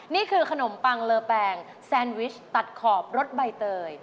นี่คือขนมปังเลอแปงแซนวิชตัดขอบรสใบเตย